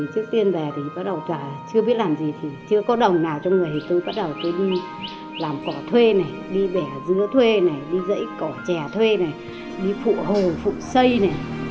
trước tiên về thì bắt đầu chưa biết làm gì chưa có đồng nào cho người thì tôi bắt đầu tôi đi làm cỏ thuê này đi bẻ dứa thuê này đi dãy cỏ trẻ thuê này đi phụ hồ phụ xây này